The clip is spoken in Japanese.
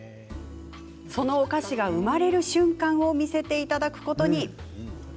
そのお菓子が生まれる瞬間を見せていただくことに。